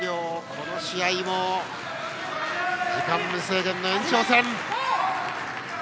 この試合も時間無制限の延長戦。